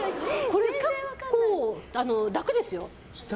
結構、楽ですよ。